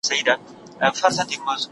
زه مخکي مينه څرګنده کړې وه!.